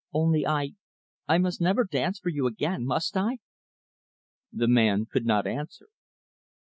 Only, I I must never dance for you again, must I?" The man could not answer.